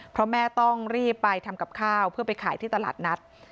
เพราะแม่ต้องรีบไปทำกับข้าวเพื่อไปขายที่ตลาดนัด